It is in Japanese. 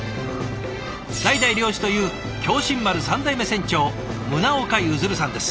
代々漁師という共進丸３代目船長宗岡讓さんです。